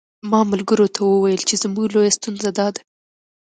ما ملګرو ته ویل چې زموږ لویه ستونزه داده.